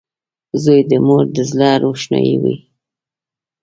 • زوی د مور د زړۀ روښنایي وي.